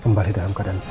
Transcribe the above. kembali dalam keadaan sehat